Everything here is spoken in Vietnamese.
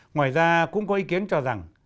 ngoài ra cũng có ý kiến cho rằng